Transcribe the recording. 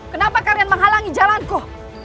kenapa kalian menghalangi jalanku